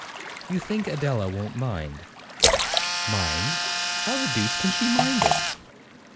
'You think Adela won't mind?' 'Mind? How the deuce can she mind it?